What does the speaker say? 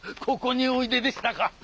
ここにおいででしたか。